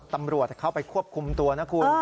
ตำรวจเข้าไปควบคุมตัวนะคุณ